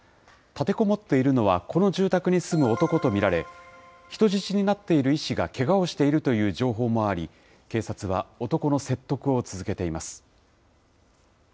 立てこもっているのは、この住宅に住む男と見られ、人質になっている医師がけがをしているという情報もあり、警察は男の説得を続けています。